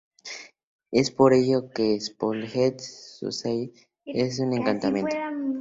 Es por ello que un poltergeist subyace de un encantamiento.